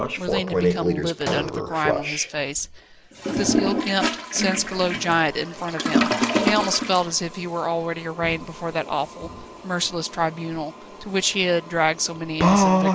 Merlin had become livid under the grime on his face. With this ill kempt sansculotte giant in front of him, he almost felt as if he were already arraigned before that awful, merciless tribunal, to which he had dragged so many innocent victims.